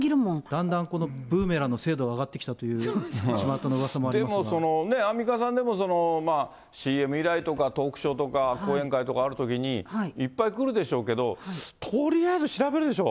だんだんこのブーメランの精度が上がってきたという、でもアンミカさんでもＣＭ依頼とかトークショーとか、講演会とかあるときに、いっぱい来るでしょうけれども、とりあえず調べるでしょ？